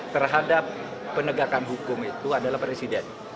terhadap penegakan hukum itu adalah presiden